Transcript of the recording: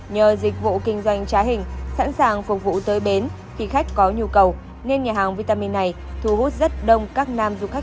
nhờ dịch vụ kinh doanh trá hình sẵn sàng phục vụ tới bến khi khách có nhu cầu nên nhà hàng vitamin này thu hút rất đông các nam du khách